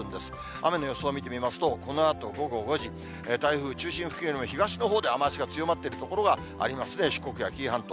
雨の予想を見てみますと、このあと午後５時、台風中心付近よりも東の方で雨足の強まっている所がありますね、四国や紀伊半島。